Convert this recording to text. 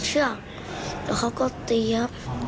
ตีที่ขาสองเทียบ